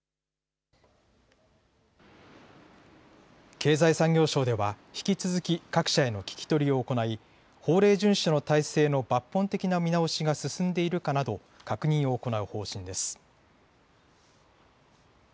経済産業省では引き続き各社への聞き取りを行い法令順守の体制の抜本的な見直しが進んでいるかなど確認を行う方針です。